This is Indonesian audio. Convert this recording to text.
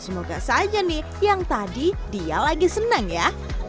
semoga saja nih yang tadi dia lagi senang ya